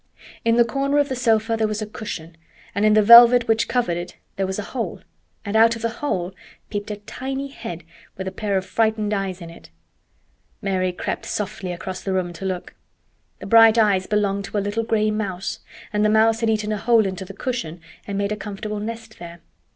In the corner of the sofa there was a cushion, and in the velvet which covered it there was a hole, and out of the hole peeped a tiny head with a pair of frightened eyes in it. Mary crept softly across the room to look. The bright eyes belonged to a little gray mouse, and the mouse had eaten a hole into the cushion and made a comfortable nest there.